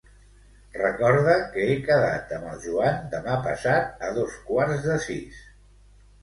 Recorda que he quedat amb el Joan demà passat a dos quarts de sis.